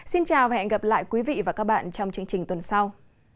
xin chào và hẹn gặp lại quý vị và các bạn trong chương trình tuần sau